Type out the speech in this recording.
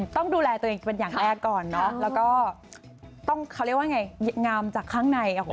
ต้องดูแลตัวเองเป็นอย่างแรกก่อน